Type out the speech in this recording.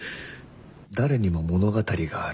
誰にも物語がある。